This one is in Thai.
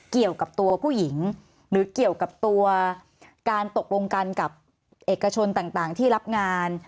เกี่ยวกับตัวผู้หญิงหรือเกี่ยวกับตัวการตกลงกันกับเอกชนต่างที่รับงาน